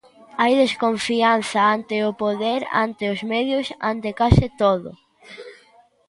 Hai desconfianza ante o poder, ante os medios, ante case todo.